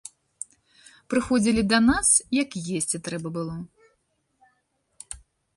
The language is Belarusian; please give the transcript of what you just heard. Прыходзілі да нас, як есці трэба было.